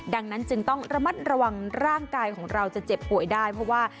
ดังนั้นจึงต้องระมัดระวังร่างกายของเราจะเจ็บป่วยได้เพราะว่า